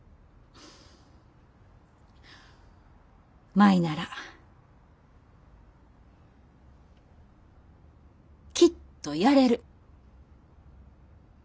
舞ならきっとやれる。